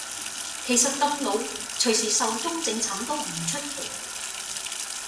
其實咁老隨時壽終正寢都唔出奇